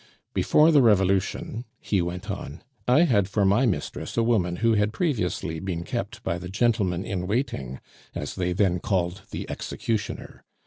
"Before the Revolution," he went on, "I had for my mistress a woman who had previously been kept by the gentleman in waiting, as they then called the executioner.